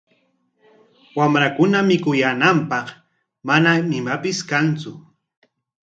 Wamrankuna mikuyaananpaq manam imapis kantsu.